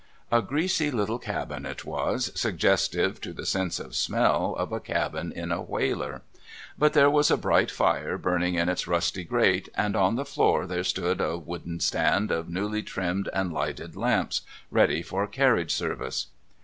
A greasy little cabin it was, suggestive, to the sense of smell, of a cabin in a Whaler. But there was a bright fire burning in its rusty grate, and on the floor there stood a wooden stand of newly trimmed and lighted lamps, ready for carriage service.